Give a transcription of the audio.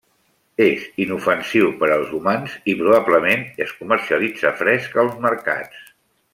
És inofensiu per als humans i, probablement, es comercialitza fresc als mercats.